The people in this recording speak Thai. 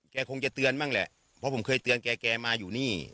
คงจะเตือนบ้างแหละเพราะผมเคยเตือนแกมาอยู่นี่